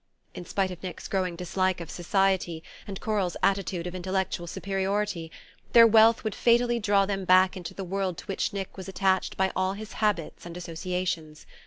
In spite of Nick's growing dislike of society, and Coral's attitude of intellectual superiority, their wealth would fatally draw them back into the world to which Nick was attached by all his habits and associations.